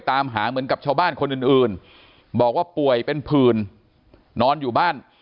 ตามหาเหมือนกับชาวบ้านคนอื่นบอกว่าป่วยเป็นผื่นนอนอยู่บ้าน